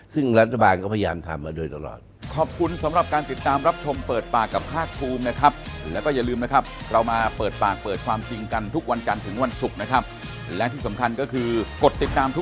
ซึ่งรัฐบาลก็พยายามทำมาโดยตลอด